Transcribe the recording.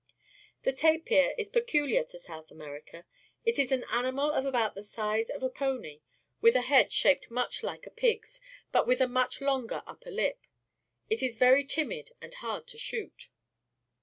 The tapir is peculiar to South .\merica. It is an animal of about the size of a pony, with a head shaped much Uke a pig's, but with a much longer upper lip. It is very timid and hard to shoot.